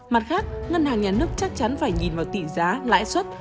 mặt khác ngân hàng nhà nước chắc chắn phải nhìn vào tỷ giá lãi suất